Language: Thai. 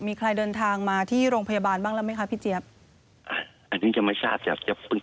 มีใครเดินทางมาที่โรงพยาบาลบ้างแล้วไหมครับ